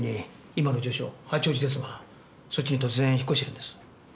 八王子ですがそっちに突然引っ越してるんです。